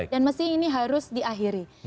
dan mesti ini harus diakhiri